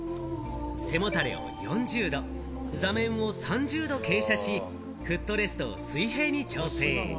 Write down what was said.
背もたれを４０度、座面を３０度傾斜し、フットレストを水平に調整。